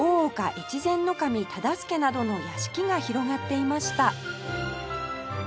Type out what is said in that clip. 越前守忠相などの屋敷が広がっていました